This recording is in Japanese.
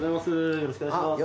よろしくお願いします。